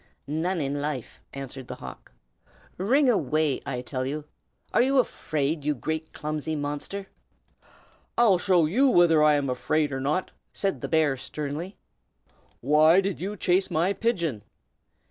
"None in life!" answered the hawk. "Wring away, I tell you! Are you afraid, you great clumsy monster?" "I'll soon show you whether I am afraid or not!" said the bear, sternly. "Why did you chase my pigeon?"